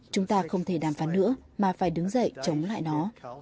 chúng ta không thể đàm phán nữa mà phải đứng dậy chống lại nó